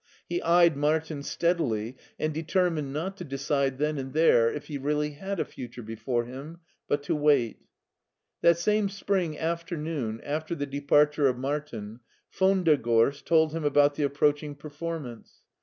He eyed Martin steadily, and determined not to decide then and there if he really had a future before him, but to wait. That same spring after noon, after the departure of Martin, von der Gorst tdd him about the approaching performance.